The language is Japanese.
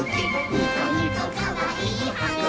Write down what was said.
ニコニコかわいいはぐきだよ！」